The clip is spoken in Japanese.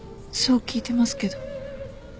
そう聞いてますけど。